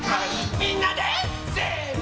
みんなでせの！